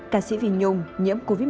cả sĩ vinh nhung nhận thêm một bài hát